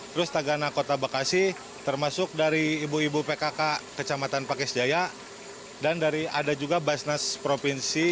terus tagana kota bekasi termasuk dari ibu ibu pkk kecamatan pakis jaya dan ada juga basnas provinsi